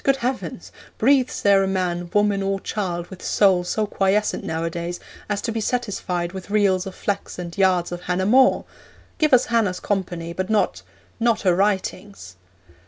Good heavens! Breathes there a man, woman, or child with soul so quiescent nowadays as to be satisfied with reels of flax and yards of Hannah More? Give us Hannah's company, but not not her writings!'